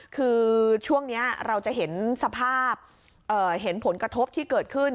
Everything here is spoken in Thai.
คือช่วงนี้เราจะเห็นสภาพเห็นผลกระทบที่เกิดขึ้น